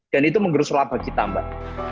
dan itu mengerusulah bagi tambah